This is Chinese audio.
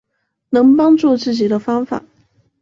能帮助自己的办法